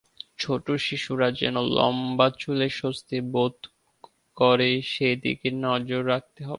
ছোট শিশুরা যেন লম্বা চুলে স্বস্তি বোধ করে সেদিকে নজর রাখতে হবে।